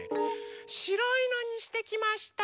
しろいのにしてきました。